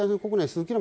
数キロ